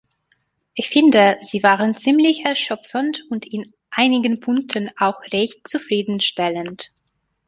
Ich finde, sie waren ziemlich erschöpfend und in einigen Punkten auch recht zufriedenstellend.